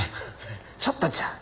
ちょっとちゃう。